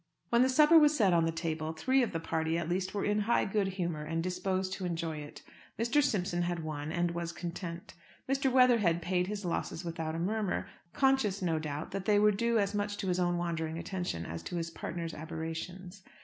When the supper was set on the table, three of the party, at least, were in high good humour, and disposed to enjoy it. Mr. Simpson had won, and was content. Mr. Weatherhead paid his losses without a murmur, conscious, no doubt, that they were due as much to his own wandering attention as to his partner's aberrations.